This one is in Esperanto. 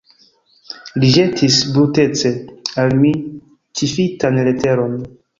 Li ĵetis brutece al mi ĉifitan leteron.